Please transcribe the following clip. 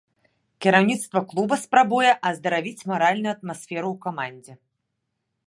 Кіраўніцтва клуба спрабуе аздаравіць маральную атмасферу ў камандзе.